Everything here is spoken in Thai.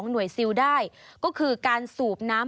สวัสดีค่ะสวัสดีค่ะ